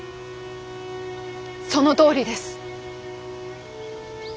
そのとおりです。